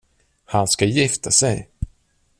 Han ska gifta sig!